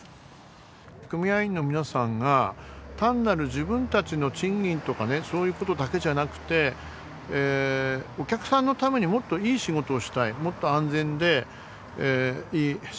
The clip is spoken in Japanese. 組合員の皆さんが単なる自分たちの賃金とかねそういうことだけじゃなくてお客さんのためにもっといい仕事をしたいもっと安全でいい仕事をしたいというふうに言っています。